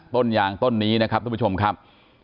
ต้นยางต้นนี้นะครับทุกผู้ชมครับ